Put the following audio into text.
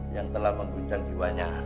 yang telah mengguncang jiwanya